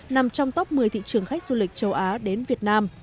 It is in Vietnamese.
nằm trong top một mươi thị trường khách du lịch châu á đến việt nam